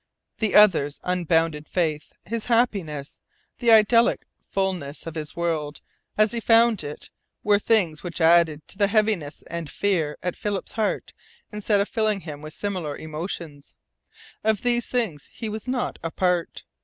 The other's unbounded faith, his happiness, the idyllic fulness of his world as he found it, were things which added to the heaviness and fear at Philip's heart instead of filling him with similar emotions. Of these things he was not a part.